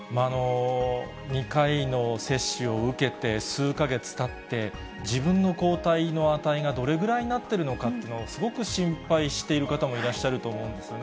２回の接種を受けて、数か月たって、自分の抗体の値がどれぐらいになってるのかっていうのをすごく心配している方もいらっしゃると思うんですよね。